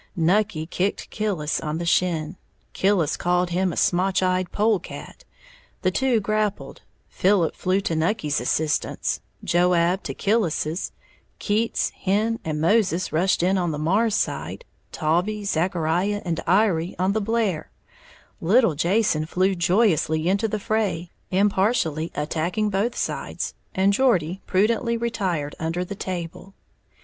Nucky kicked Killis on the shin; Killis called him a smotch eyed polecat; the two grappled; Philip flew to Nucky's assistance, Joab to Killis's; Keats, Hen and Moses rushed in on the Marrs side, Taulbee, Zachariah and Iry on the Blair, little Jason flew joyously into the fray, impartially attacking both sides, and Geordie prudently retired under the table.